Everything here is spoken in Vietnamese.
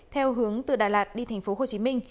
theo hướng từ đà lạt đi tp hcm